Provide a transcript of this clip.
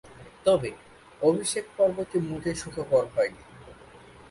তবে, অভিষেক পর্বটি মোটেই সুখকর হয়নি।